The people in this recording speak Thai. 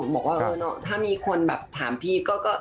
บอกว่าถ้ามีคนแบบถามพี่ก็